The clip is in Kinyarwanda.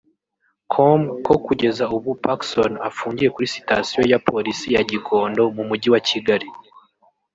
com ko kugeza ubu Pacson afungiye kuri sitasiyo ya Polisi ya Gikondo mu mujyi wa Kigali